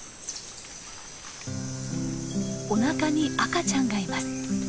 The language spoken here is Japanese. おなかに赤ちゃんがいます。